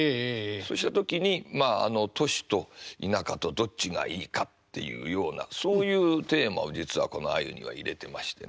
そうした時に都市と田舎とどっちがいいかっていうようなそういうテーマを実はこの「鮎」には入れてましてね。